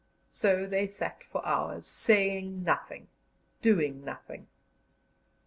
So they sat for hours, saying nothing, doing nothing.